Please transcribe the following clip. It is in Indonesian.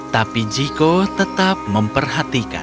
tapi jiko tetap memperhatikan